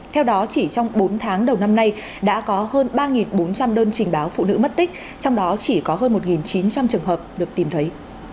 theo đó chỉ trong bốn tháng đầu năm nay đã có hơn ba bốn trăm linh đơn trình báo phụ nữ mất tích trong đó chỉ có hơn một chín trăm linh trường hợp được tìm thấy